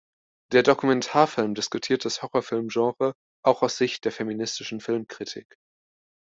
Der Dokumentarfilm diskutiert das Horrorfilm-Genre auch aus Sicht der feministischen Filmkritik.